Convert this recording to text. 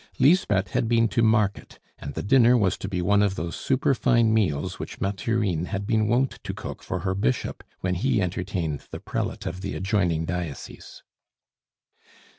Lisbeth had been to market, and the dinner was to be one of those superfine meals which Mathurine had been wont to cook for her Bishop when he entertained the prelate of the adjoining diocese.